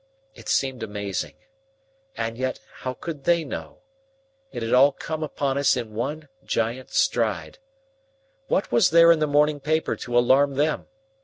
It seemed amazing. And yet how could they know? It had all come upon us in one giant stride. What was there in the morning paper to alarm them?